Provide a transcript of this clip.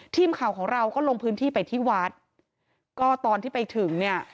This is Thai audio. ทีมข่าวของเราก็ลงพื้นที่ไปที่วัดก็ตอนที่ไปถึงเนี่ย